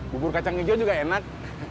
bubur kacang hijau juga enak